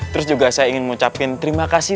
terus juga saya ingin mengucapkan terima kasih